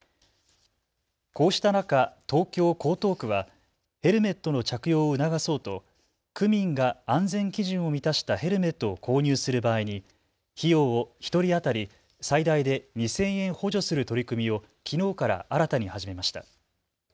こうした中、東京江東区はヘルメットの着用を促そうと区民が安全基準を満たしたヘルメットを購入する場合に費用を１人当たり最大で２０００円補助する取り組みをきのうから新たに始めました。